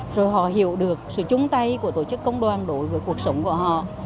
rồi họ hiểu được sự chung tay của tổ chức công đoàn đối với cuộc sống của họ